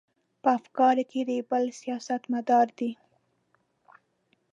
په افکارو کې لیبرال سیاستمدار دی.